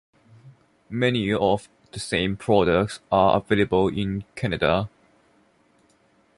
Many of the same products are available in Canada.